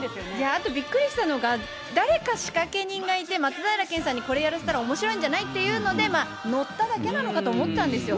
あとびっくりしたのが、誰か仕掛け人がいて、松平健さんにこれやらせたら、おもしろいんじゃない？っていうので乗っただけなのかと思ったんですよ。